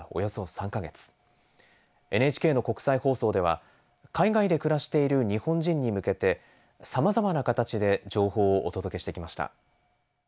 ＮＨＫの国際放送では海外で暮らしている日本人に向けてさまざまな形で情報をお届けしてきました。